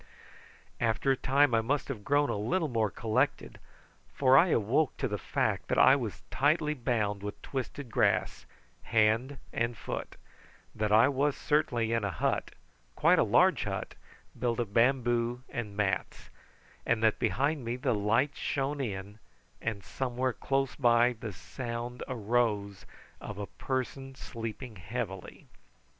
After a time I must have grown a little more collected, for I awoke to the fact that I was tightly bound with twisted grass, hand and foot; that I was certainly in a hut, quite a large hut, built of bamboo and mats; and that behind me the light shone in, and somewhere close by the sound arose as of a person sleeping heavily.